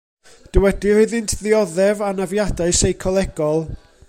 Dywedir iddynt ddioddef anafiadau seicolegol.